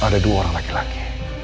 ada dua orang laki laki